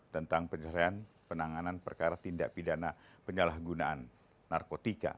tentang penyelean penanganan perkara tindak pidana penyalahgunaan narkotika